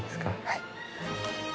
はい。